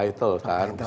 untuk title kan